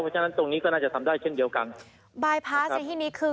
เพราะฉะนั้นตรงนี้ก็น่าจะทำได้เช่นเดียวกันบายพาสในที่นี้คือ